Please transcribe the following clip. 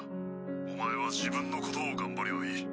お前は自分のことを頑張りゃいい。